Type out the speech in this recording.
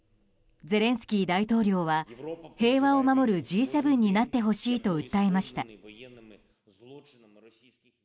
ゼレンスキー大統領は平和を守るＧ７になってほしいと訴えました。